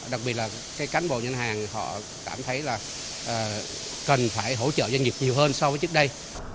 đặc biệt là cái cán bộ nhân hàng họ cảm thấy là cần phải hỗ trợ doanh nghiệp nhiều hơn so với trước đây